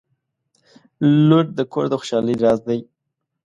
• لور د کور د خوشحالۍ راز دی.